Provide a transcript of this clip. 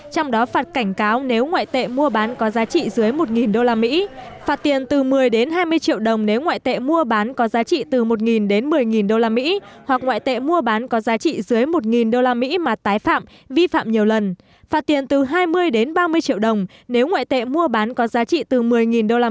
trong đó phạt chín mươi triệu đồng xuân sao dư luận trước đây